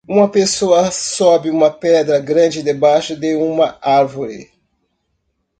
Uma pessoa sobe uma pedra grande debaixo de uma árvore.